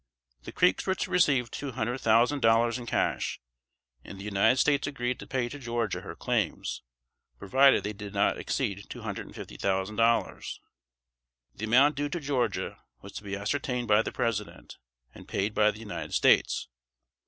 The Creeks were to receive two hundred thousand dollars in cash; and the United States agreed to pay to Georgia her claims, provided they did not exceed two hundred and fifty thousand dollars. The amount due to Georgia was to be ascertained by the President, and paid by the United States.